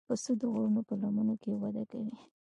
پسه د غرونو په لمنو کې وده کوي.